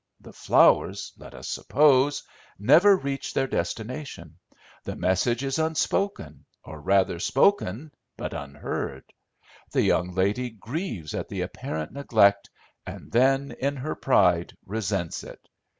The flowers, let us suppose, never reach their destination. The message is unspoken, or, rather, spoken, but unheard. The young lady grieves at the apparent neglect, and then, in her pride, resents it.